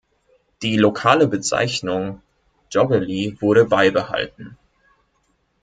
Die lokale Bezeichnung "Joggeli" wurde beibehalten.